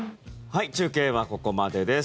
中継はここまでです。